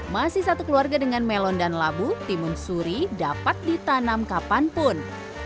masih satu keluarga dengan melon dan labu timun suri dapat ditanam kapanpun